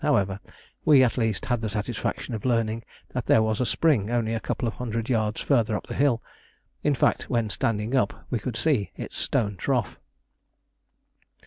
However, we at least had the satisfaction of learning that there was a spring only a couple of hundred yards farther up the hill; in fact, when standing up we could see its stone trough.